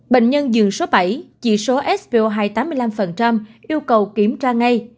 bệnh nhân dường số bảy chỉ số svo hai tám mươi năm yêu cầu kiểm tra ngay